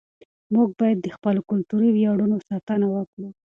موږ باید د خپلو کلتوري ویاړونو ساتنه وکړو.